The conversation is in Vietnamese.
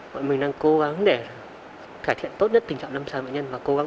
mọi người đang cố gắng để cải thiện tốt nhất tình trạng năm sáng bệnh nhân